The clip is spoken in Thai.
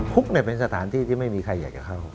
คุกเป็นสถานที่ที่ไม่มีใครอยากจะเข้า